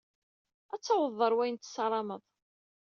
Ad tawḍeḍ ɣer wayen tessarameḍ.